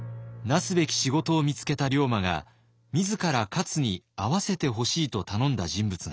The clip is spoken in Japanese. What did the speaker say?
なすべき仕事を見つけた龍馬が自ら勝に会わせてほしいと頼んだ人物がいます。